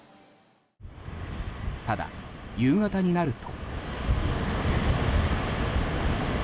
ただ、夕方になると。